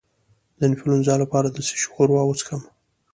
د انفلونزا لپاره د څه شي ښوروا وڅښم؟